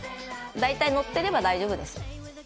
大体載っていれば大丈夫です。